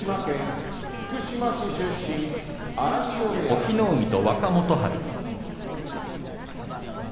隠岐の海と若元春。